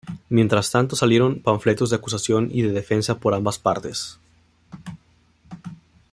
Mientras tanto salieron panfletos de acusación y de defensa por ambas partes.